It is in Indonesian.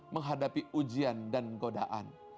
menghadapi ujian dan godaan